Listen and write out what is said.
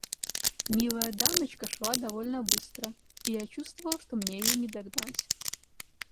Милая дамочка шла довольно быстро, и я чувствовал, что мне ее не догнать.